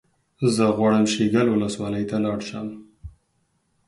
زه غواړم شیګل ولسوالۍ ته لاړ شم